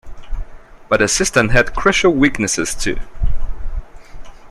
But the system had crucial weaknesses, too.